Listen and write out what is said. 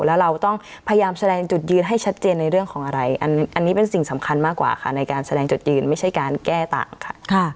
แล้วเราต้องพยายามแสดงจุดยืนให้ชัดเจนในเรื่องของอะไรอันนี้เป็นสิ่งสำคัญมากกว่าค่ะในการแสดงจุดยืนไม่ใช่การแก้ต่างค่ะ